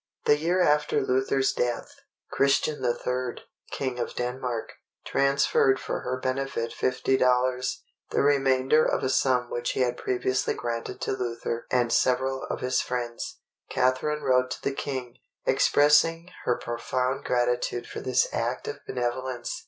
The year after Luther's death, Christian III., King of Denmark, transferred for her benefit 50 dollars, the remainder of a sum which he had previously granted to Luther and several of his friends. Catharine wrote to the King, expressing her profound gratitude for this act of benevolence.